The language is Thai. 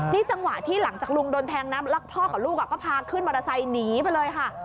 นี่จังหวะที่หลังจากลุงโดนแทงนะแล้วพ่อกับลูกก็พาขึ้นมอเตอร์ไซค์หนีไปเลยค่ะ